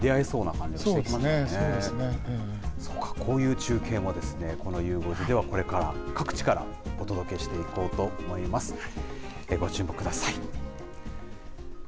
そうか、こういう中継もこのゆう５時では、これからも各地からお届けしていこうと思います。